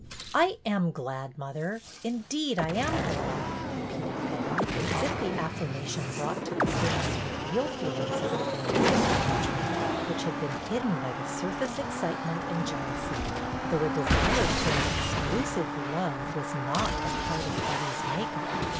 '' "I am glad, mother. Indeed I am glad!" repeated Betty, as if the affirmation brought to the surface her real feelings about Lois's engagement, which had been hidden by the surface excitement and jealousy, though a desire for an exclusive love was not a part of Betty's make up.